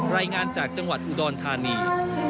รายงานจากจังหวัดอุดรธานี